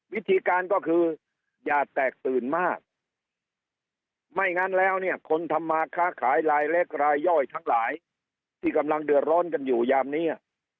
วิธีการก็คืออย่าแตกตื่นมากไม่งั้นแล้วเนี่ยคนทำมาค้าขายรายเล็กรายย่อยทั้งหลายที่กำลังเดือดร้อนกันอยู่ยามนี้